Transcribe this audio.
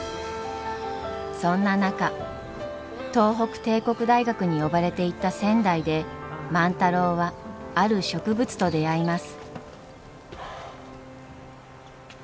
そんな中東北帝国大学に呼ばれて行った仙台で万太郎はある植物と出会います。